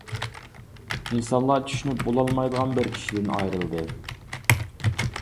ئىنسانلار چۈشىنىپ بولالمايدىغان بىر كىشىدىن ئايرىلدى.